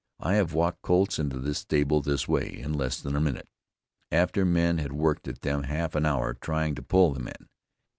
I have walked colts into the stable this way, in less than a minute, after men had worked at them half an hour, trying to pull them in.